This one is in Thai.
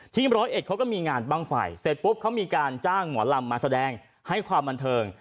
ร้อยเอ็ดเขาก็มีงานบ้างไฟเสร็จปุ๊บเขามีการจ้างหมอลำมาแสดงให้ความบันเทิง